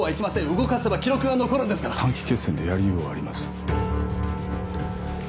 動かせば記録が残るんですから短期決戦でやりようはあります